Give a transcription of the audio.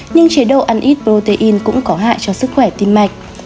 nhưng chế độ ăn ít protein cũng có hại cho sức khỏe tim mạch